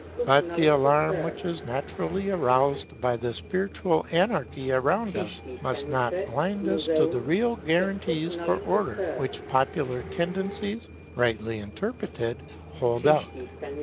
But the alarm which is naturally aroused by the spiritual anarchy around us must not blind us to the real guarantees for Order which popular tendencies, rightly interpreted, hold out.